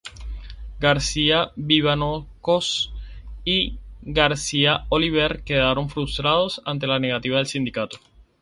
García Vivancos y García Oliver quedaron frustrados ante la negativa de los sindicatos.